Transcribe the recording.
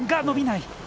伸びない。